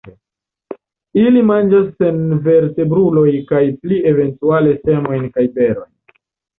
Ili manĝas senvertebrulojn kaj pli eventuale semojn kaj berojn.